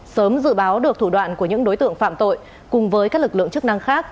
sớm dự báo được thủ đoạn của những đối tượng phạm tội cùng với các lực lượng chức năng khác